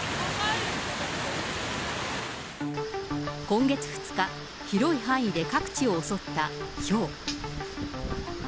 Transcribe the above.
今月２日、広い範囲で各地を襲ったひょう。